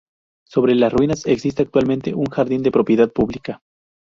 Sobre las ruinas existe actualmente un jardín de propiedad pública.